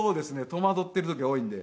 戸惑っている時が多いんで。